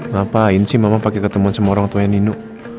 ngapain sih mama pake ketemuan sama orang tua yang nina